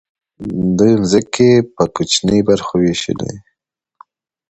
دوی ځمکې په کوچنیو برخو وویشلې.